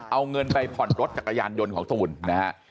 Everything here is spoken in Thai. เอาเงินไปผ่อนรถจักรยานยนต์ของตูนนะฮะ